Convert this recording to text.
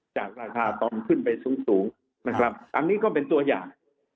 จากราคาตองขึ้นไปสูงนะครับอันนี้ก็เป็นตัวอย่าง